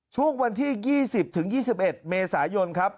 ช่วงวันที่๒๐๒๑เมษายนครับ